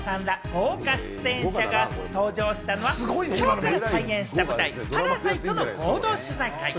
豪華出演者が登場したのは、きょうから開演した舞台『パラサイト』の合同取材会。